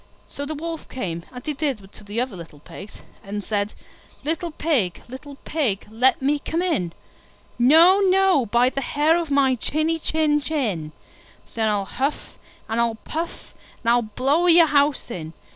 So the Wolf came, as he did to the other little Pigs, and said, "Little Pig, little Pig, let me come in." "No, no, by the hair of my chinny chin chin." "Then I'll huff and I'll puff, and I'll blow your house in."